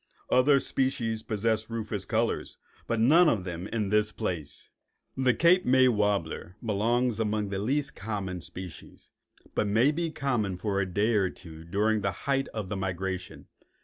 Other species possess rufous colors, but none of them in this place. The Cape May warbler belongs among the less common species, but may be common for a day or two during the height of the migration.